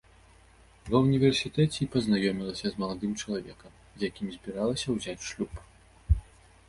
Ва ўніверсітэце і пазнаёмілася з маладым чалавекам, з якім збіралася ўзяць шлюб.